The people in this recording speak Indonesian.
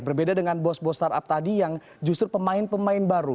berbeda dengan bos bos startup tadi yang justru pemain pemain baru